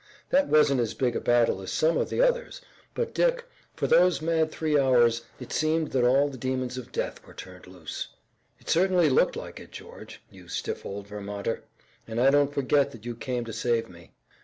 That wasn't as big a battle as some of the others, but Dick, for those mad three hours it seemed that all the demons of death were turned loose." "It certainly looked like it, George, you stiff old Vermonter, and I don't forget that you came to save me."